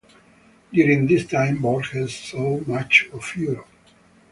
During this time, Borges saw much of Europe.